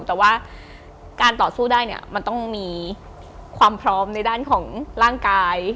แต่ว่าการต่อสู้ได้เนี่ยมันต้องมีความพร้อมในด้านของร่างกาย